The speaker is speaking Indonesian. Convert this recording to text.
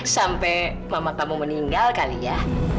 sampai mama kamu meninggal kali ya